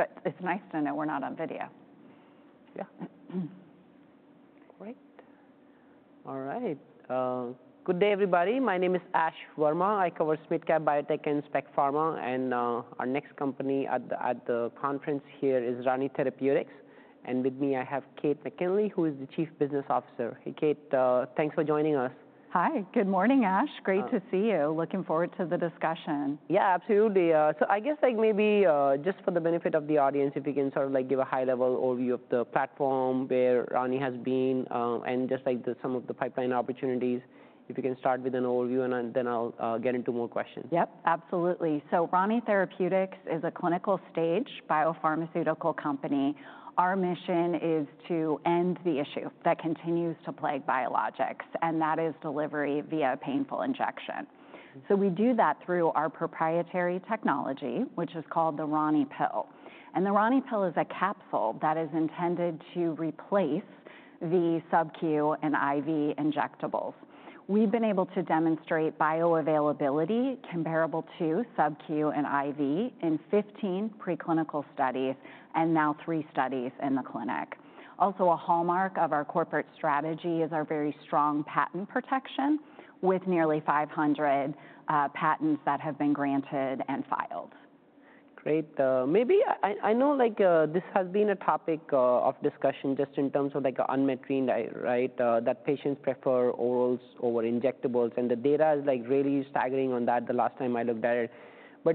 But it's nice to know we're not on video. Yeah. Great. All right. Good day, everybody. My name is Ash Verma. I cover SMID Cap Biotech and Spec Pharma. Our next company at the conference here is Rani Therapeutics. With me, I have Kate McKinley, who is the Chief Business Officer. Hey, Kate, thanks for joining us. Hi. Good morning, Ash. Great to see you. Looking forward to the discussion. Yeah, absolutely. So I guess maybe just for the benefit of the audience, if you can sort of give a high-level overview of the platform where Rani has been and just some of the pipeline opportunities, if you can start with an overview, and then I'll get into more questions. Yep, absolutely. So Rani Therapeutics is a clinical-stage biopharmaceutical company. Our mission is to end the issue that continues to plague biologics, and that is delivery via painful injection. So we do that through our proprietary technology, which is called the RaniPill. And the RaniPill is a capsule that is intended to replace the Sub-Q and IV injectables. We've been able to demonstrate bioavailability comparable to Sub-Q and IV in 15 preclinical studies and now three studies in the clinic. Also, a hallmark of our corporate strategy is our very strong patent protection with nearly 500 patents that have been granted and filed. Great. Maybe I know this has been a topic of discussion just in terms of unmet need, right, that patients prefer orals over injectables. The data is really staggering on that. The last time I looked at it.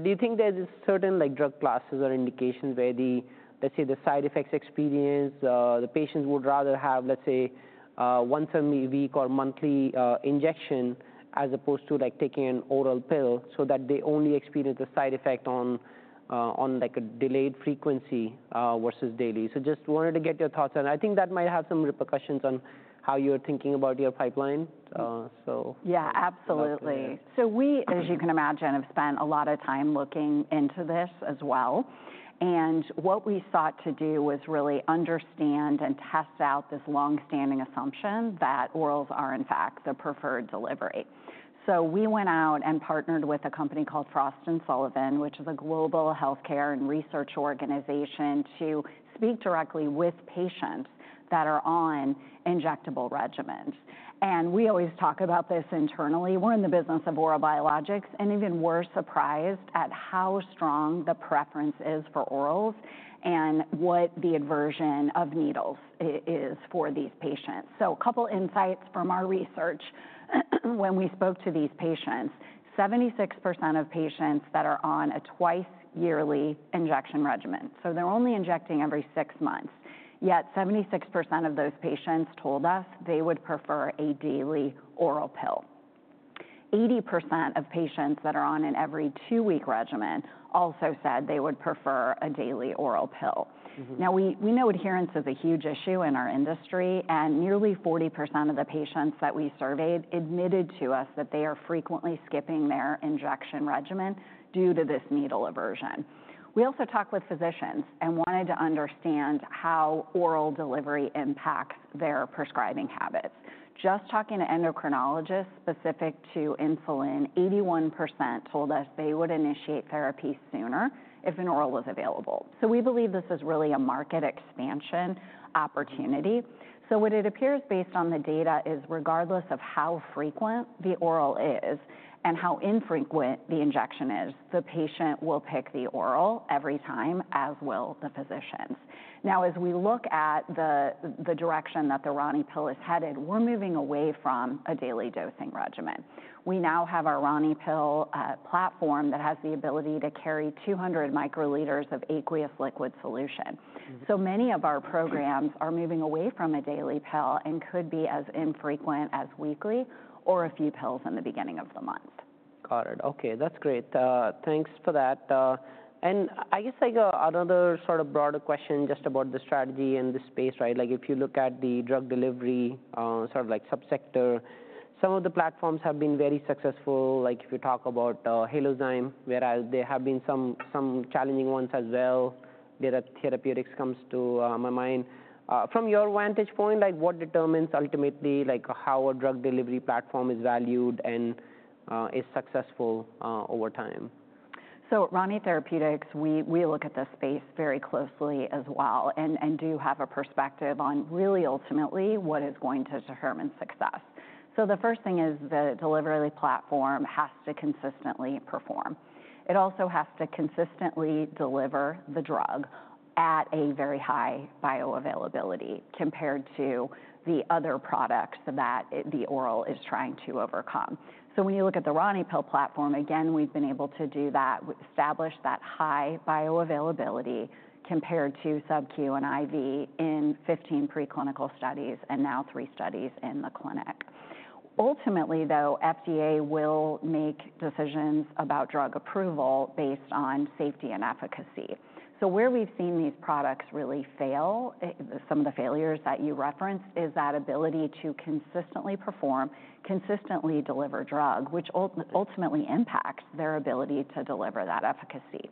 Do you think there's a certain drug classes or indications where the, let's say, the side effects experience the patients would rather have, let's say, once a week or monthly injection as opposed to taking an oral pill so that they only experience the side effect on a delayed frequency versus daily? Just wanted to get your thoughts on it. I think that might have some repercussions on how you're thinking about your pipeline, so. Yeah, absolutely. So we, as you can imagine, have spent a lot of time looking into this as well. And what we sought to do was really understand and test out this longstanding assumption that orals are, in fact, the preferred delivery. So we went out and partnered with a company called Frost & Sullivan, which is a global health care and research organization, to speak directly with patients that are on injectable regimens. And we always talk about this internally. We're in the business of oral biologics. And even we're surprised at how strong the preference is for orals and what the aversion of needles is for these patients. So a couple of insights from our research. When we spoke to these patients, 76% of patients that are on a twice-yearly injection regimen, so they're only injecting every six months, yet 76% of those patients told us they would prefer a daily oral pill. 80% of patients that are on an every two-week regimen also said they would prefer a daily oral pill. Now, we know adherence is a huge issue in our industry, and nearly 40% of the patients that we surveyed admitted to us that they are frequently skipping their injection regimen due to this needle aversion. We also talked with physicians and wanted to understand how oral delivery impacts their prescribing habits. Just talking to endocrinologists specific to insulin, 81% told us they would initiate therapy sooner if an oral was available, so we believe this is really a market expansion opportunity. What it appears based on the data is regardless of how frequent the oral is and how infrequent the injection is, the patient will pick the oral every time, as will the physicians. Now, as we look at the direction that the RaniPill is headed, we're moving away from a daily dosing regimen. We now have our RaniPill platform that has the ability to carry 200 microliters of aqueous liquid solution. So many of our programs are moving away from a daily pill and could be as infrequent as weekly or a few pills in the beginning of the month. Got it. OK, that's great. Thanks for that. And I guess another sort of broader question just about the strategy in this space, right? If you look at the drug delivery sort of subsector, some of the platforms have been very successful. If you talk about Halozyme, whereas there have been some challenging ones as well, Therapeutics comes to my mind. From your vantage point, what determines ultimately how a drug delivery platform is valued and is successful over time? So Rani Therapeutics, we look at this space very closely as well and do have a perspective on really, ultimately, what is going to determine success. So the first thing is the delivery platform has to consistently perform. It also has to consistently deliver the drug at a very high bioavailability compared to the other products that the oral is trying to overcome. So when you look at the RaniPill platform, again, we've been able to do that, establish that high bioavailability compared to Sub-Q and IV in 15 preclinical studies and now three studies in the clinic. Ultimately, though, FDA will make decisions about drug approval based on safety and efficacy. So where we've seen these products really fail, some of the failures that you referenced, is that ability to consistently perform, consistently deliver drug, which ultimately impacts their ability to deliver that efficacy.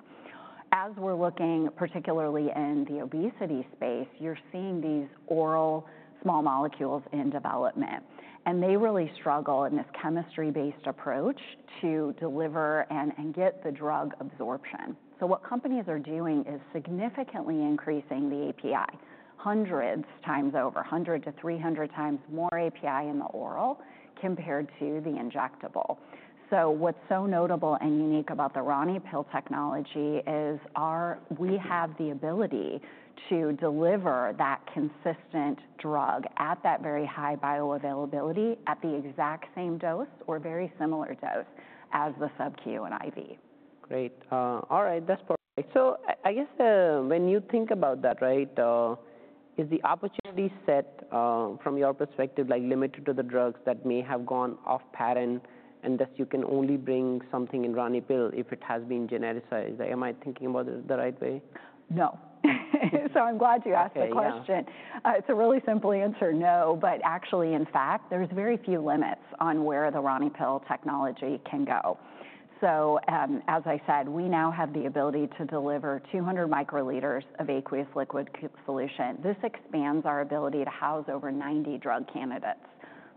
As we're looking, particularly in the obesity space, you're seeing these oral small molecules in development, and they really struggle in this chemistry-based approach to deliver and get the drug absorption, so what companies are doing is significantly increasing the API, hundreds times over, 100-300 times more API in the oral compared to the injectable, so what's so notable and unique about the RaniPill technology is we have the ability to deliver that consistent drug at that very high bioavailability at the exact same dose or very similar dose as the Sub-Q and IV. Great. All right, that's perfect. So I guess when you think about that, is the opportunity set from your perspective limited to the drugs that may have gone off patent and thus you can only bring something in RaniPill if it has been genericized? Am I thinking about it the right way? No. So I'm glad you asked the question. It's a really simple answer, no. But actually, in fact, there's very few limits on where the RaniPill technology can go. So as I said, we now have the ability to deliver 200 microliters of aqueous liquid solution. This expands our ability to house over 90 drug candidates.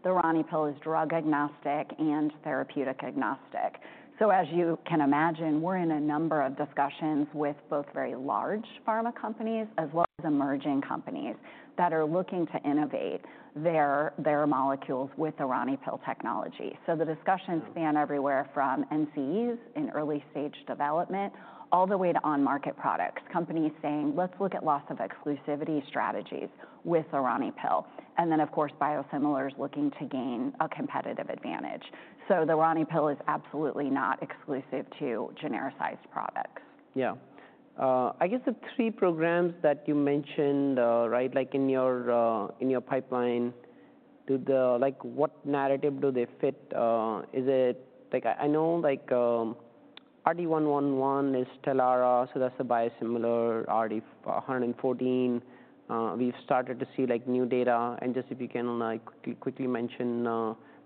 The RaniPill is drug agnostic and therapeutic agnostic. So as you can imagine, we're in a number of discussions with both very large pharma companies as well as emerging companies that are looking to innovate their molecules with the RaniPill technology. So the discussions span everywhere from NCEs in early stage development all the way to on-market products, companies saying, let's look at loss of exclusivity strategies with the RaniPill. And then, of course, biosimilars looking to gain a competitive advantage. The RaniPill is absolutely not exclusive to genericized products. Yeah. I guess the three programs that you mentioned, right, in your pipeline, what narrative do they fit? I know RT-111 is Stelara, so that's the biosimilar. RT-114, we've started to see new data. And just if you can quickly mention,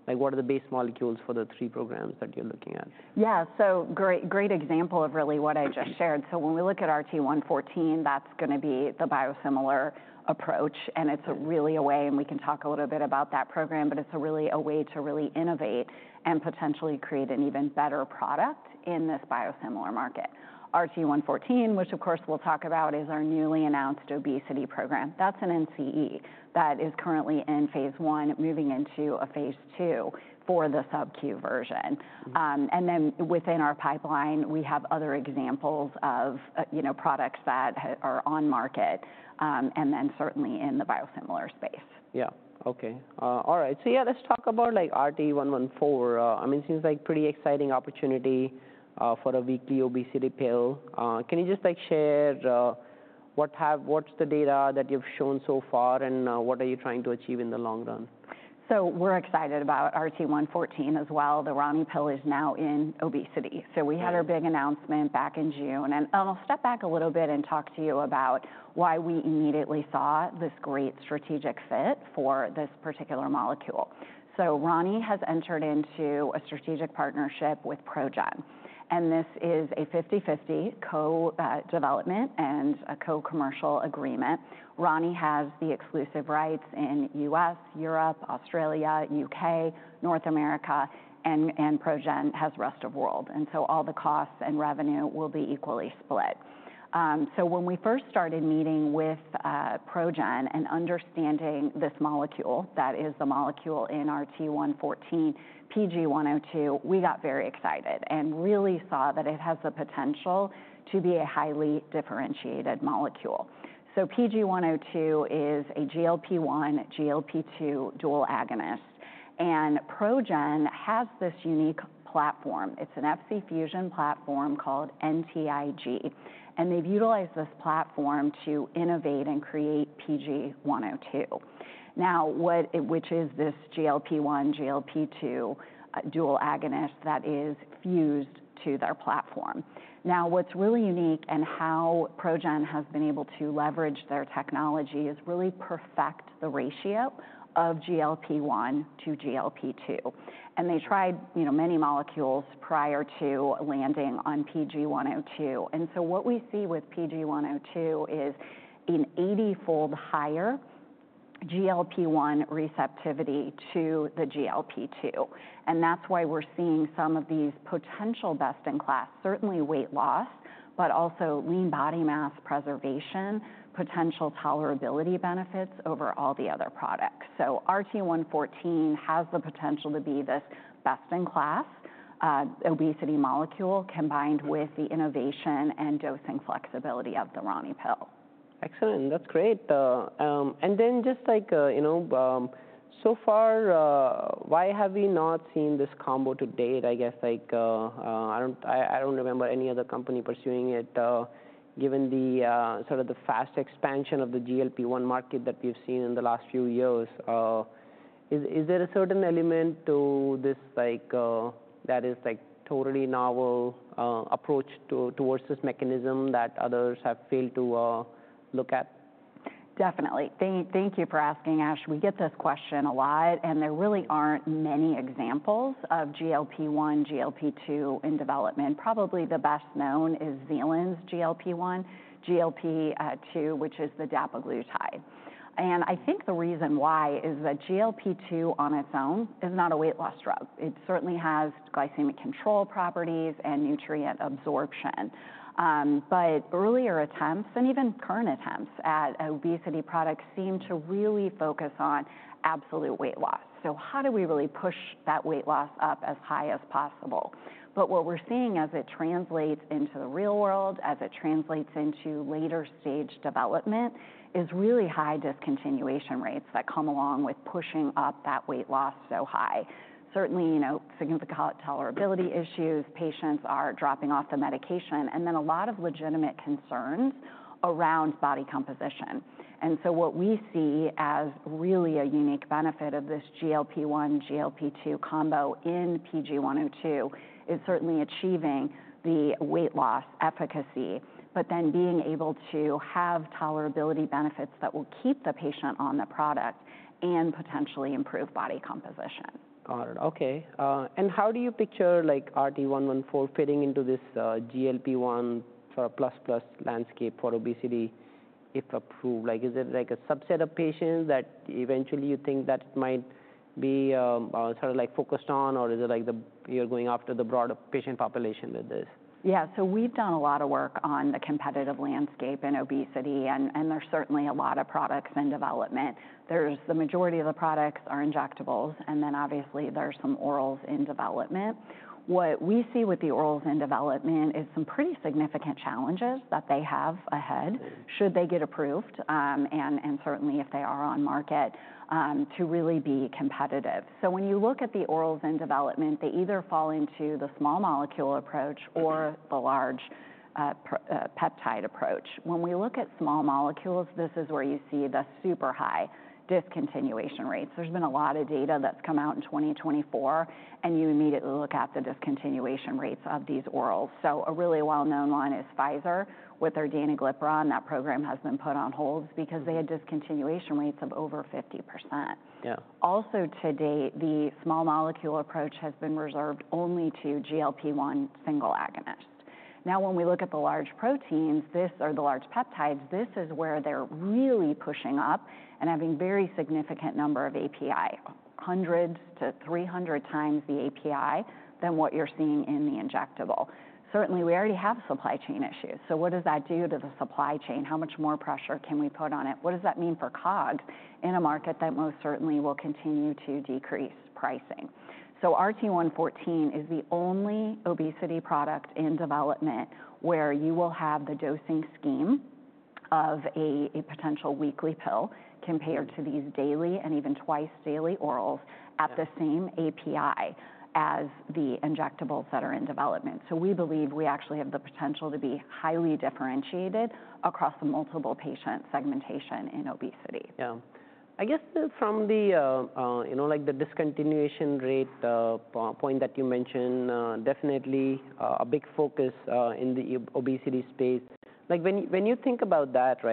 what are the base molecules for the three programs that you're looking at? Yeah, so great example of really what I just shared. So when we look at RT-114, that's going to be the biosimilar approach. And it's really a way, and we can talk a little bit about that program, but it's really a way to really innovate and potentially create an even better product in this biosimilar market. RT-114, which, of course, we'll talk about, is our newly announced obesity program. That's an NCE that is currently in phase I, moving into a phase II for the Sub-Q version. And then within our pipeline, we have other examples of products that are on market and then certainly in the biosimilar space. Yeah, OK. All right. So, yeah, let's talk about RT-114. I mean, it seems like a pretty exciting opportunity for a weekly obesity pill. Can you just share what's the data that you've shown so far, and what are you trying to achieve in the long run? We're excited about RT-114 as well. The RaniPill is now in obesity, so we had our big announcement back in June. I'll step back a little bit and talk to you about why we immediately saw this great strategic fit for this particular molecule. Rani has entered into a strategic partnership with ProGen, and this is a 50/50 co-development and a co-commercial agreement. Rani has the exclusive rights in the U.S., Europe, Australia, U.K., North America, and ProGen has the rest of the world. All the costs and revenue will be equally split. When we first started meeting with ProGen and understanding this molecule that is the molecule in RT-114, PG-102, we got very excited and really saw that it has the potential to be a highly differentiated molecule. PG-102 is a GLP-1, GLP-2 dual agonist, and ProGen has this unique platform. It's an Fc fusion platform called NTIG. And they've utilized this platform to innovate and create PG-102, which is this GLP-1, GLP-2 dual agonist that is fused to their platform. Now, what's really unique and how ProGen has been able to leverage their technology is really perfect the ratio of GLP-1 to GLP-2. And they tried many molecules prior to landing on PG-102. And so what we see with PG-102 is an 80-fold higher GLP-1 receptivity to the GLP-2. And that's why we're seeing some of these potential best-in-class, certainly weight loss, but also lean body mass preservation, potential tolerability benefits over all the other products. So RT-114 has the potential to be this best-in-class obesity molecule combined with the innovation and dosing flexibility of the RaniPill. Excellent. That's great. And then just so far, why have we not seen this combo to date, I guess? I don't remember any other company pursuing it given sort of the fast expansion of the GLP-1 market that we've seen in the last few years. Is there a certain element to this that is totally novel approach towards this mechanism that others have failed to look at? Definitely. Thank you for asking, Ash. We get this question a lot. And there really aren't many examples of GLP-1, GLP-2 in development. Probably the best known is Zealand's GLP-1, GLP-2, which is the dapiglutide. And I think the reason why is that GLP-2 on its own is not a weight loss drug. It certainly has glycemic control properties and nutrient absorption. But earlier attempts and even current attempts at obesity products seem to really focus on absolute weight loss. So how do we really push that weight loss up as high as possible? But what we're seeing as it translates into the real world, as it translates into later stage development, is really high discontinuation rates that come along with pushing up that weight loss so high. Certainly, significant tolerability issues. Patients are dropping off the medication. And then a lot of legitimate concerns around body composition. And so what we see as really a unique benefit of this GLP-1, GLP-2 combo in PG-102 is certainly achieving the weight loss efficacy, but then being able to have tolerability benefits that will keep the patient on the product and potentially improve body composition. Got it. OK. And how do you picture RT-114 fitting into this GLP-1 sort of plus-plus landscape for obesity if approved? Is it a subset of patients that eventually you think that might be sort of focused on, or is it like you're going after the broader patient population with this? Yeah, so we've done a lot of work on the competitive landscape in obesity. And there's certainly a lot of products in development. The majority of the products are injectables. And then obviously, there are some orals in development. What we see with the orals in development is some pretty significant challenges that they have ahead should they get approved and certainly if they are on market to really be competitive. So when you look at the orals in development, they either fall into the small molecule approach or the large peptide approach. When we look at small molecules, this is where you see the super high discontinuation rates. There's been a lot of data that's come out in 2024. And you immediately look at the discontinuation rates of these orals. So a really well-known one is Pfizer with their danuglipron. That program has been put on hold because they had discontinuation rates of over 50%. Yeah, also to date, the small molecule approach has been reserved only to GLP-1 single agonist. Now, when we look at the large proteins, or the large peptides, this is where they're really pushing up and having a very significant number of API, 100-300 times the API than what you're seeing in the injectable. Certainly, we already have supply chain issues. So what does that do to the supply chain? How much more pressure can we put on it? What does that mean for COGS in a market that most certainly will continue to decrease pricing? So RT-114 is the only obesity product in development where you will have the dosing scheme of a potential weekly pill compared to these daily and even twice-daily orals at the same API as the injectables that are in development. So we believe we actually have the potential to be highly differentiated across the multiple patient segmentation in obesity. Yeah. I guess from the discontinuation rate point that you mentioned, definitely a big focus in the obesity space. When you think about that,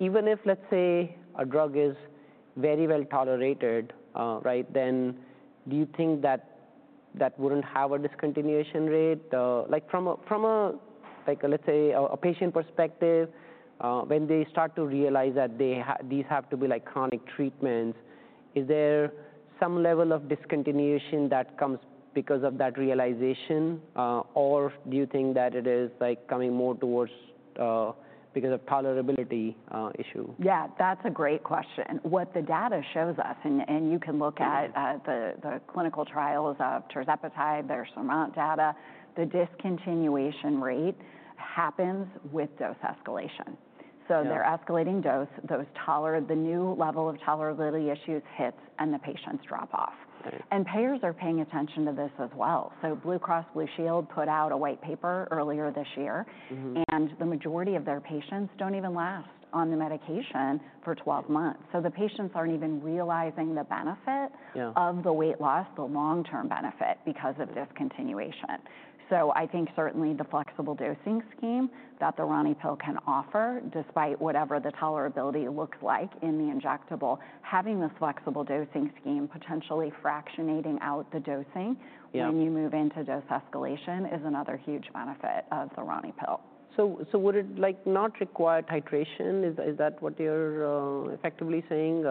even if, let's say, a drug is very well tolerated, then do you think that that wouldn't have a discontinuation rate? From a, let's say, a patient perspective, when they start to realize that these have to be chronic treatments, is there some level of discontinuation that comes because of that realization? Or do you think that it is coming more towards because of tolerability issue? Yeah, that's a great question. What the data shows us, and you can look at the clinical trials of tirzepatide. There's some real data. The discontinuation rate happens with dose escalation. So they're escalating dose. The new level of tolerability issues hits, and the patients drop off. And payers are paying attention to this as well. So Blue Cross Blue Shield put out a white paper earlier this year. And the majority of their patients don't even last on the medication for 12 months. So the patients aren't even realizing the benefit of the weight loss, the long-term benefit because of discontinuation. So I think certainly the flexible dosing scheme that the RaniPill can offer, despite whatever the tolerability looks like in the injectable, having this flexible dosing scheme potentially fractionating out the dosing when you move into dose escalation is another huge benefit of the RaniPill. So would it not require titration? Is that what you're effectively saying?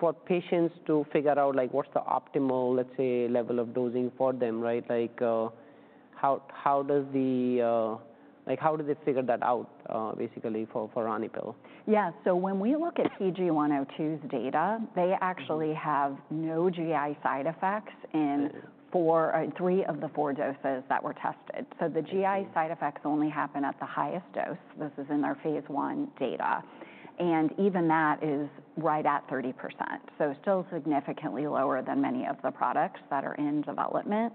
For patients to figure out what's the optimal, let's say, level of dosing for them, right? How do they figure that out, basically, for RaniPill? Yeah. So when we look at PG-102's data, they actually have no GI side effects in three of the four doses that were tested. So the GI side effects only happen at the highest dose. This is in their phase I data. And even that is right at 30%. So still significantly lower than many of the products that are in development.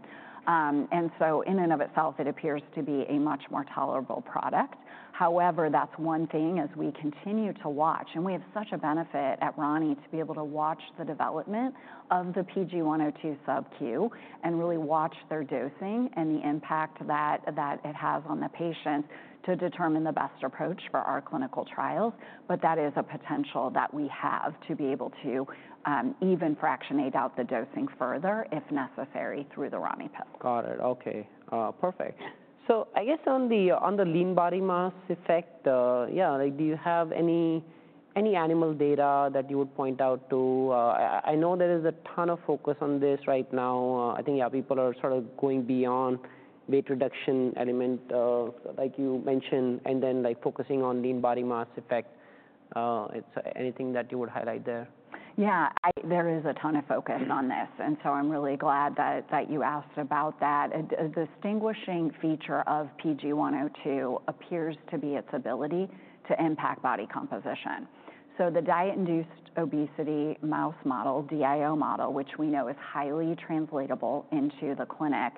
And so in and of itself, it appears to be a much more tolerable product. However, that's one thing as we continue to watch. And we have such a benefit at Rani to be able to watch the development of the PG-102 Sub-Q and really watch their dosing and the impact that it has on the patient to determine the best approach for our clinical trials. But that is a potential that we have to be able to even fractionate out the dosing further, if necessary, through the RaniPill. Got it. OK, perfect. So I guess on the lean body mass effect, yeah, do you have any animal data that you would point out to? I know there is a ton of focus on this right now. I think, yeah, people are sort of going beyond weight reduction element, like you mentioned, and then focusing on lean body mass effect. Anything that you would highlight there? Yeah, there is a ton of focus on this, and so I'm really glad that you asked about that. A distinguishing feature of PG-102 appears to be its ability to impact body composition. So the diet-induced obesity mouse model, DIO model, which we know is highly translatable into the clinic,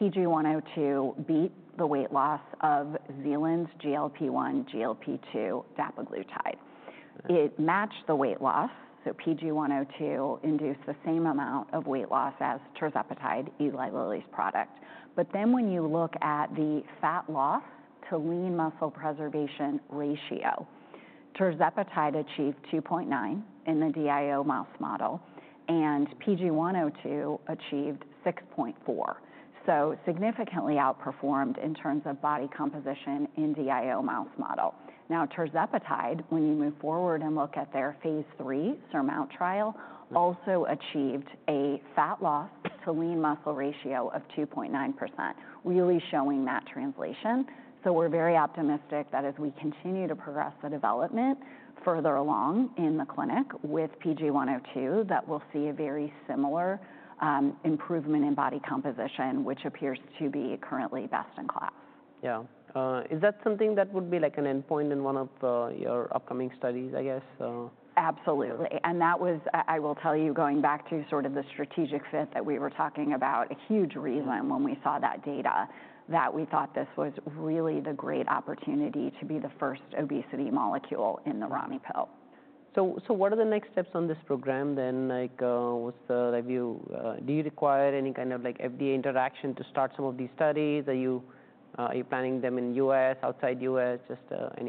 PG-102 beat the weight loss of Zealand's GLP-1, GLP-2 dapiglutide. It matched the weight loss. So PG-102 induced the same amount of weight loss as tirzepatide, Eli Lilly's product. But then when you look at the fat loss to lean muscle preservation ratio, tirzepatide achieved 2.9 in the DIO mouse model. And PG-102 achieved 6.4, so significantly outperformed in terms of body composition in DIO mouse model. Now, tirzepatide, when you move forward and look at their phase III SURMOUNT trial, also achieved a fat loss to lean muscle ratio of 2.9%, really showing that translation. So we're very optimistic that as we continue to progress the development further along in the clinic with PG-102, that we'll see a very similar improvement in body composition, which appears to be currently best in class. Yeah. Is that something that would be like an endpoint in one of your upcoming studies, I guess? Absolutely. And that was, I will tell you, going back to sort of the strategic fit that we were talking about, a huge reason when we saw that data that we thought this was really the great opportunity to be the first obesity molecule in the RaniPill. So what are the next steps on this program then? Do you require any kind of FDA interaction to start some of these studies? Are you planning them in the U.S., outside the U.S.? Just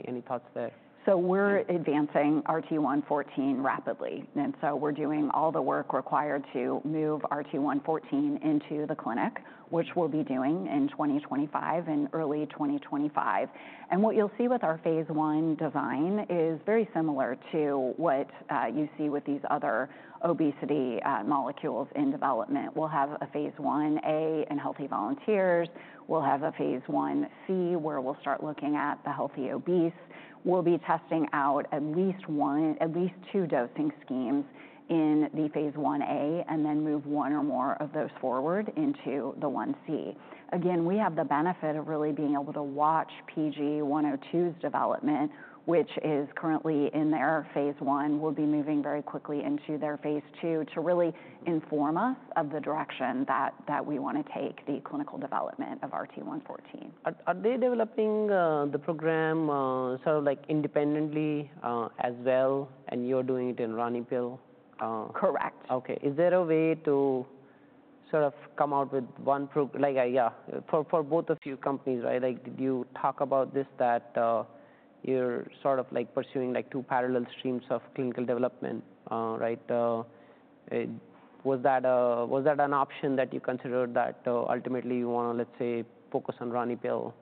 any thoughts there? We're advancing RT-114 rapidly. We're doing all the work required to move RT-114 into the clinic, which we'll be doing in 2025 and early 2025. What you'll see with our phase I design is very similar to what you see with these other obesity molecules in development. We'll have a phase I-A in healthy volunteers. We'll have a phase I-C where we'll start looking at the healthy obese. We'll be testing out at least two dosing schemes in the phase I-A and then move one or more of those forward into the one C. Again, we have the benefit of really being able to watch PG-102's development, which is currently in their phase I. We'll be moving very quickly into their phase II to really inform us of the direction that we want to take the clinical development of RT-114. Are they developing the program sort of independently as well, and you're doing it in RaniPill? Correct. OK. Is there a way to sort of come out with one, yeah, for both of your companies, right? Did you talk about this, that you're sort of pursuing two parallel streams of clinical development? Was that an option that you considered that ultimately you want to, let's say, focus on RaniPill?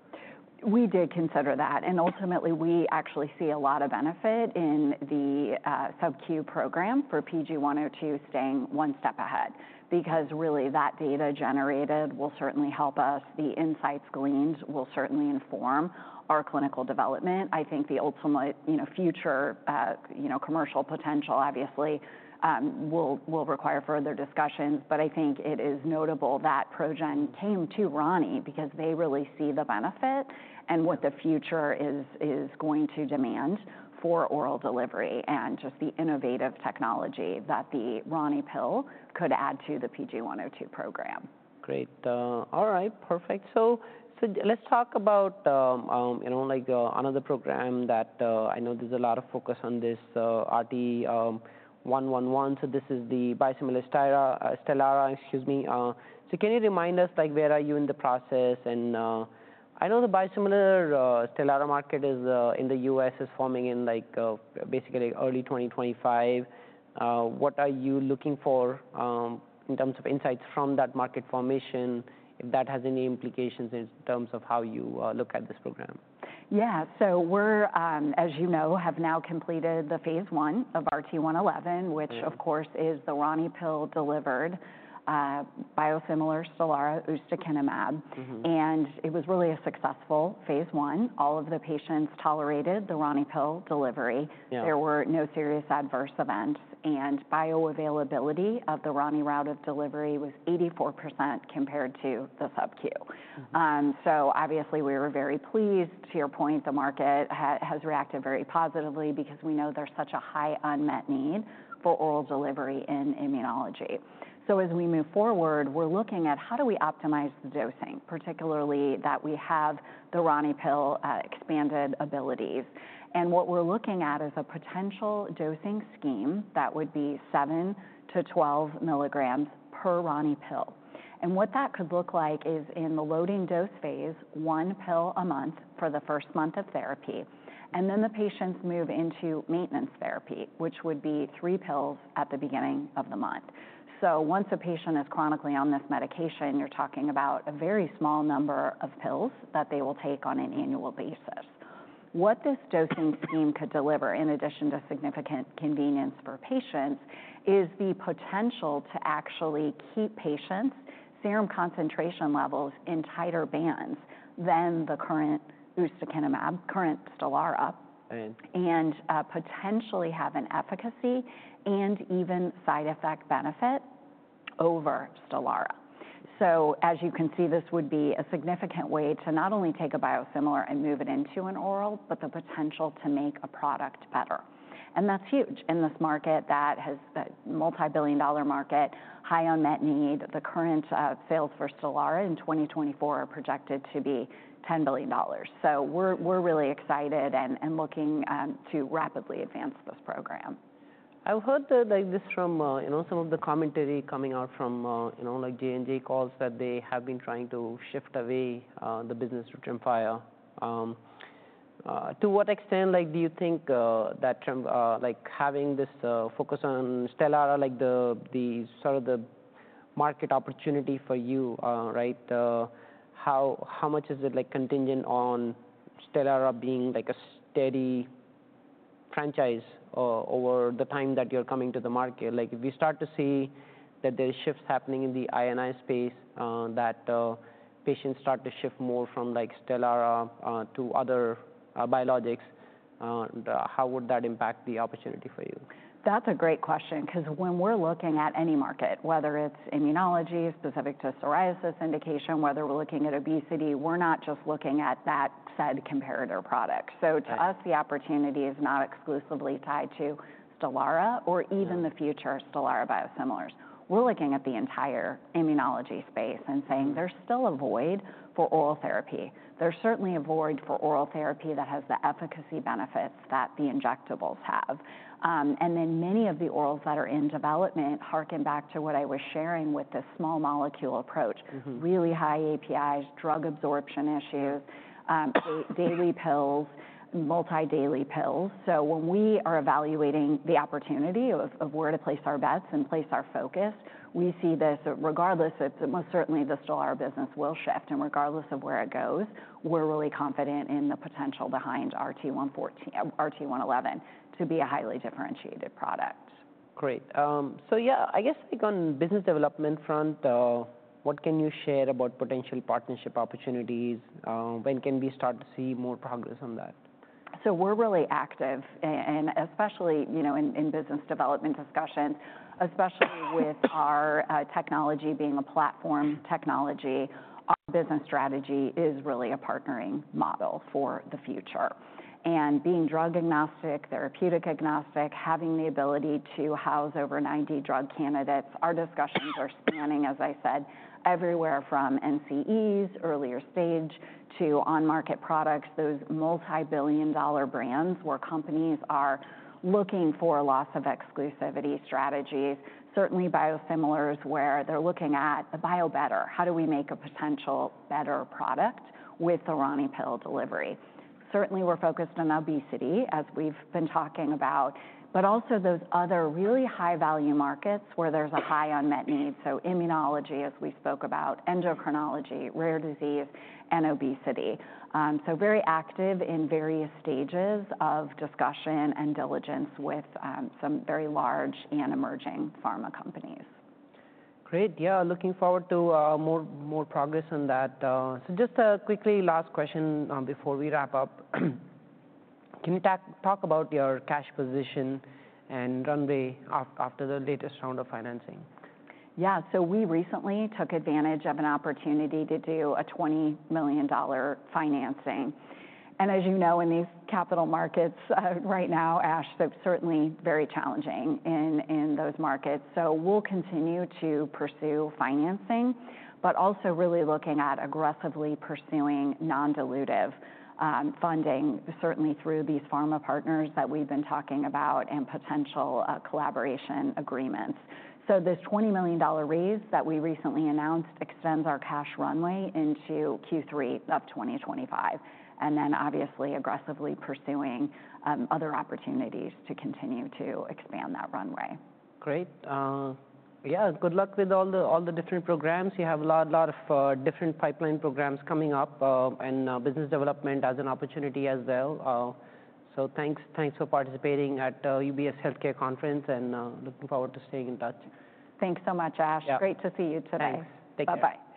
We did consider that, and ultimately, we actually see a lot of benefit in the Sub-Q program for PG-102 staying one step ahead. Because really, that data generated will certainly help us. The insights gleaned will certainly inform our clinical development. I think the ultimate future commercial potential, obviously, will require further discussions, but I think it is notable that ProGen came to Rani because they really see the benefit and what the future is going to demand for oral delivery and just the innovative technology that the RaniPill could add to the PG-102 program. Great. All right, perfect. So let's talk about another program that I know there's a lot of focus on this RT-111. So this is the biosimilar Stelara, excuse me. So can you remind us where are you in the process? And I know the biosimilar Stelara market in the U.S. is forming in basically early 2025. What are you looking for in terms of insights from that market formation, if that has any implications in terms of how you look at this program? Yeah. So we're, as you know, have now completed the phase I of RT-111, which, of course, is the RaniPill-delivered biosimilar Stelara ustekinumab. And it was really a successful phase I. All of the patients tolerated the RaniPill delivery. There were no serious adverse events. And bioavailability of the Rani route of delivery was 84% compared to the Sub-Q. So obviously, we were very pleased. To your point, the market has reacted very positively because we know there's such a high unmet need for oral delivery in immunology. So as we move forward, we're looking at how do we optimize the dosing, particularly that we have the RaniPill expanded abilities. And what we're looking at is a potential dosing scheme that would be 7-12 mg per RaniPill. And what that could look like is in the loading dose phase, one pill a month for the first month of therapy. And then the patients move into maintenance therapy, which would be three pills at the beginning of the month. So once a patient is chronically on this medication, you're talking about a very small number of pills that they will take on an annual basis. What this dosing scheme could deliver, in addition to significant convenience for patients, is the potential to actually keep patients' serum concentration levels in tighter bands than the current ustekinumab, current Stelara, and potentially have an efficacy and even side effect benefit over Stelara. So as you can see, this would be a significant way to not only take a biosimilar and move it into an oral, but the potential to make a product better. That's huge in this market that has a multi-billion-dollar market, high unmet need. The current sales for Stelara in 2024 are projected to be $10 billion. We're really excited and looking to rapidly advance this program. I heard this from some of the commentary coming out from J&J calls that they have been trying to shift away the business from Via. To what extent do you think that having this focus on Stelara, sort of the market opportunity for you, right? How much is it contingent on Stelara being a steady franchise over the time that you're coming to the market? If we start to see that there are shifts happening in the INI space, that patients start to shift more from Stelara to other biologics, how would that impact the opportunity for you? That's a great question. Because when we're looking at any market, whether it's immunology specific to psoriasis indication, whether we're looking at obesity, we're not just looking at that said comparator product. So to us, the opportunity is not exclusively tied to Stelara or even the future of Stelara biosimilars. We're looking at the entire immunology space and saying there's still a void for oral therapy. There's certainly a void for oral therapy that has the efficacy benefits that the injectables have. And then many of the orals that are in development hearken back to what I was sharing with this small molecule approach, really high APIs, drug absorption issues, daily pills, multi-daily pills. So when we are evaluating the opportunity of where to place our bets and place our focus, we see this, regardless, most certainly the Stelara business will shift. Regardless of where it goes, we're really confident in the potential behind RT-111 to be a highly differentiated product. Great. So yeah, I guess on the business development front, what can you share about potential partnership opportunities? When can we start to see more progress on that? So we're really active, and especially in business development discussions, especially with our technology being a platform technology, our business strategy is really a partnering model for the future. And being drug agnostic, therapeutic agnostic, having the ability to house over 90 drug candidates, our discussions are spanning, as I said, everywhere from NCEs, earlier stage, to on-market products, those multi-billion dollar brands where companies are looking for loss of exclusivity strategies, certainly biosimilars where they're looking at the biobetter, how do we make a potential better product with the RaniPill delivery. Certainly, we're focused on obesity, as we've been talking about, but also those other really high-value markets where there's a high unmet need. So immunology, as we spoke about, endocrinology, rare disease, and obesity. So very active in various stages of discussion and diligence with some very large and emerging pharma companies. Great. Yeah, looking forward to more progress on that. So just a quick last question before we wrap up. Can you talk about your cash position and runway after the latest round of financing? Yeah, so we recently took advantage of an opportunity to do a $20 million financing, and as you know, in these capital markets right now, Ash, they're certainly very challenging in those markets, so we'll continue to pursue financing, but also really looking at aggressively pursuing non-dilutive funding, certainly through these pharma partners that we've been talking about and potential collaboration agreements, so this $20 million raise that we recently announced extends our cash runway into Q3 of 2025, and then obviously aggressively pursuing other opportunities to continue to expand that runway. Great. Yeah, good luck with all the different programs. You have a lot of different pipeline programs coming up and business development as an opportunity as well. So thanks for participating at UBS Healthcare Conference and looking forward to staying in touch. Thanks so much, Ash. Great to see you today. Thanks. Take care. Bye-bye.